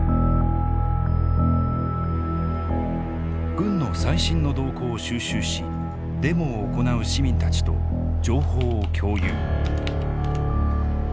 軍の最新の動向を収集しデモを行う市民たちと情報を共有。